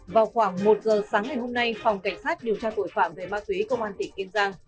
vào khoảng một giờ sáng ngày hôm nay phòng cảnh sát điều tra tội phạm về ma túy công an tỉnh kiên giang